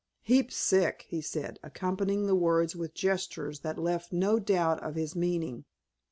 "Heap sick," he said, accompanying the words with gestures that left no doubt of his meaning.